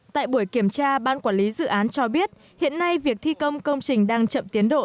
tại buổi kiểm tra ban quản lý dự án cho biết hiện nay việc thi công công trình đang chậm tiến độ